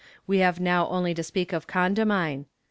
We have now only to speak of Condamine.